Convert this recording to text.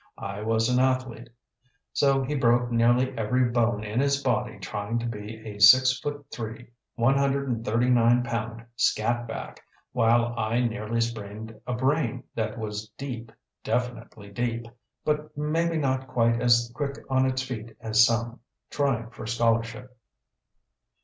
I was an athlete. So he broke nearly every bone in his body trying to be a six foot three, one hundred and thirty nine pound scatback, while I nearly sprained a brain that was deep, definitely deep, but maybe not quite as quick on its feet as some, trying for scholarship.